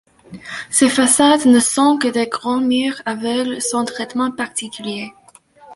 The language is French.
Ces façades ne sont que des grands murs aveugles sans traitement particulier.